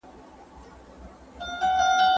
نه د ملک په حال خبر نه په خفه وو